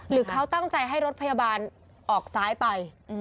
หรือเขาตั้งใจให้รถพยาบาลออกซ้ายไป